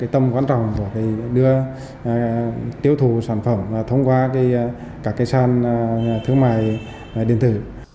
tâm quan trọng của đưa tiêu thụ sản phẩm thông qua các sàn thương mại đệ tử